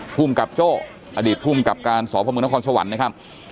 ภูมิกับโจ้อดีตภูมิกับการสพมนครสวรรค์นะครับ